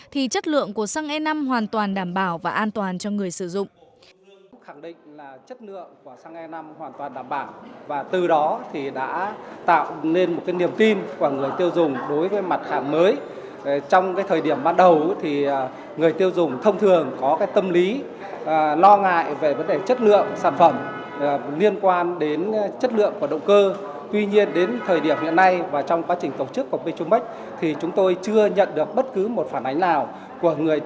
thì chất lượng của xăng e năm hoàn toàn đảm bảo và an toàn cho người sử dụng